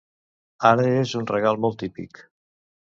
Ara és un regal molt típic.